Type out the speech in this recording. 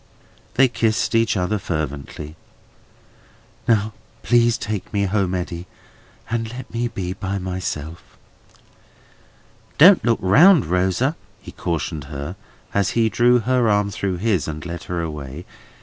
They kissed each other fervently. "Now, please take me home, Eddy, and let me be by myself." "Don't look round, Rosa," he cautioned her, as he drew her arm through his, and led her away.